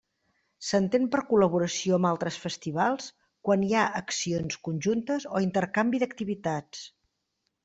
S'entén per col·laboració amb altres festivals quan hi ha accions conjuntes o intercanvi d'activitats.